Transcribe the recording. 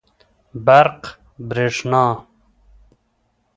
برق √ بريښنا